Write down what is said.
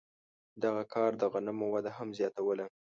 دغه کار د غنمو وده هم زیاتوله.